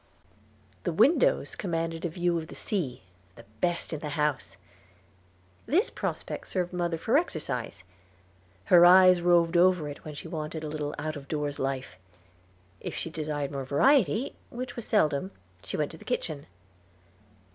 The windows commanded a view of the sea, the best in the house. This prospect served mother for exercise. Her eyes roved over it when she wanted a little out of doors life. If she desired more variety, which was seldom, she went to the kitchen.